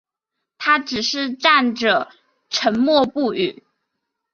他只是站着沉默不语